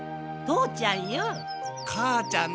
父ちゃんよ。